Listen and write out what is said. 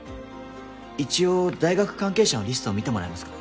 一応大学関係者のリストを見てもらえますか。